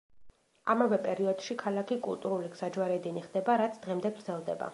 ამავე პერიოდში ქალაქი კულტურული გზაჯვარედინი ხდება, რაც დღემდე გრძელდება.